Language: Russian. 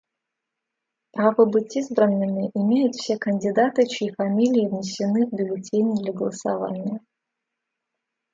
Право быть избранными имеют все кандидаты, чьи фамилии внесены в бюллетени для голосования.